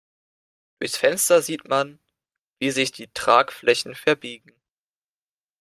Durchs Fenster sieht man, wie sich die Tragflächen verbiegen.